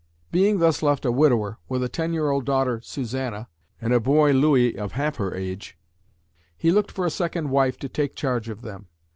Being thus left a widower with a ten year old daughter Susanna, and a boy Louis of half her age, he looked for a second wife to take charge of them.